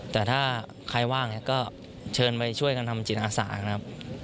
แต่ถ้าใครว่างก็เชิญไปช่วยกันทำจิตอาสานะครับ